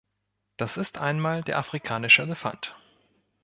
Da ist einmal der afrikanische Elefant.